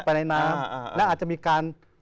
ไปในน้ำและอาจจะมีการ